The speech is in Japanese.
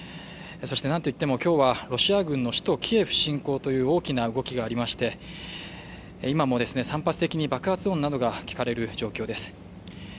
そしてなんといっても今日はロシア軍の、首都キエフ侵攻という大きな動きがありまして、今も散発的に爆発音などが聞かれる状況です。